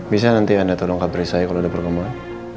bisa nanti anda tolong kabari saya kalau ada perkembangan